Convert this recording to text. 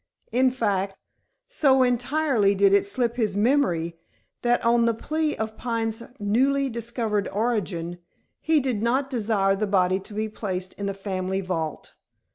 In fact, so entirely did it slip his memory that on the plea of Pine's newly discovered origin he did not desire the body to be placed in the family vault.